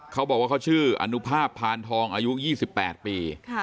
เขาบอกว่าเขาชื่ออนุภาพพานทองอายุ๒๘ปี